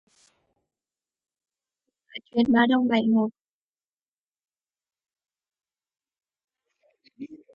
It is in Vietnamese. Ngồi buồn nói chuyện ba đồng bảy nổi